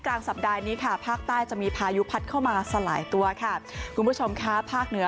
กลางสัปดาห์นี้ค่ะภาคใต้จะมีพายุพัดเข้ามาสลายตัวค่ะคุณผู้ชมค่ะภาคเหนือ